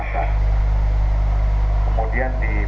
dan kemudinya pet mostrar tingkaterus tim